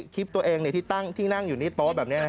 คลิปตัวเองที่นั่งอยู่ที่โต๊ะแบบนี้